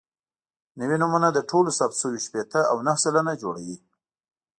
نوي نومونه د ټولو ثبت شویو شپېته او نهه سلنه جوړوي.